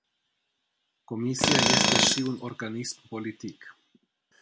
Comisia este și un organism politic.